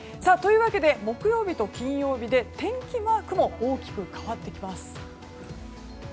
木曜日と金曜日で天気マークも大きく変わってきます。